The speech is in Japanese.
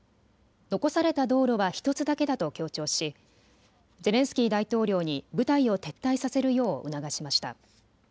残された道路は１つだけだと強調しゼレンスキー大統領に部隊を撤退させるよう促しました。